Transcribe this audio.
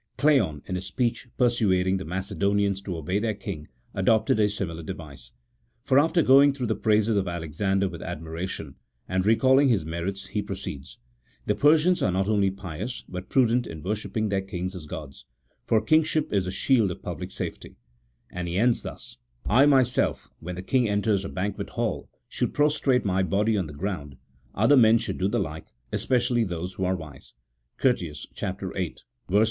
Cleon, in his speech persuading the Macedonians to obey their king, adopted a similar device : for after going through the praises of Alexander with admiration, and recalling his merits, he proceeds, " the Persians are not only pious, but prudent in worshipping their kings as gods : for kingship is the shield of public safety," and he ends thus, " I, myself, when the king enters a banquet hall, should prostrate my body on the ground ; other men should do the like, espe cially those who are wise" (Curtius, viii. § 65).